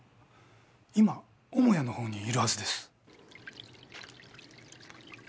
今母屋のほうにいるはずです。